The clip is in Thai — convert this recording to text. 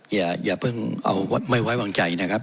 อย่าเพิ่งเอาไม่ไว้วางใจนะครับ